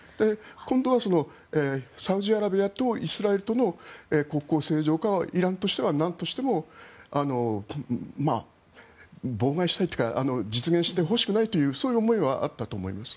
今度はサウジアラビアとイスラエルとの国交正常化はイランとしてはなんとしても妨害したいというか実現してほしくないという思いはあったと思います。